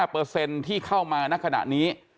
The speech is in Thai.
เปอร์เซ็นต์ที่เข้ามาณขณะนี้